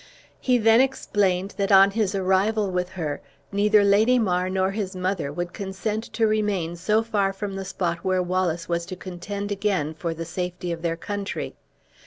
He then explained that on his arrival with her, neither Lady Mar nor his mother would consent to remain so far from the spot where Wallace was to contend again for the safety of their country.